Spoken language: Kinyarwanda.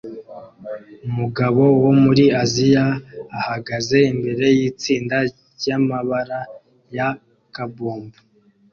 Umugabo wo muri Aziya ahagaze imbere yitsinda ryamabara ya kabob